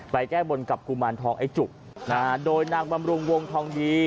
แก้บนกับกุมารทองไอ้จุกนะฮะโดยนางบำรุงวงทองดี